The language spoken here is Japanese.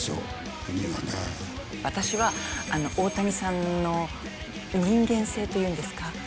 私は大谷さんの人間性というんですか？